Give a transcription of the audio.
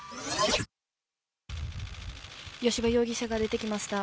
吉羽容疑者が出てきました。